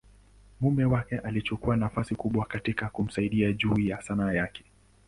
mume wake alichukua nafasi kubwa katika kumsaidia juu ya Sanaa yake.